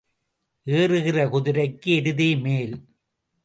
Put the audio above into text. ஏறுகிற குதிரைக்கு எருதே மேல்.